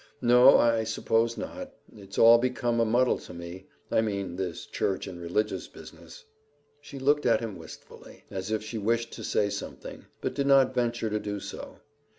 "No, I suppose not. It's all become a muddle to me. I mean this church and religious business." She looked at him wistfully, as if she wished to say something, but did not venture to do so.